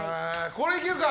これいけるか。